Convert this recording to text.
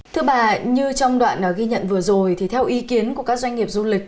thưa bà như trong đoạn ghi nhận vừa rồi thì theo ý kiến của các doanh nghiệp du lịch